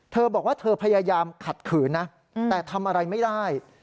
เธอบอกว่าเธอพยายามขัดขืนนะแต่ทำอะไรไม่ได้